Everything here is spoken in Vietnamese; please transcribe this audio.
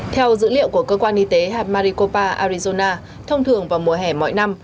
theo dữ liệu của cơ quan y tế hạt maricopa arizona thông thường vào mùa hè mỗi năm